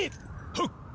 はっ！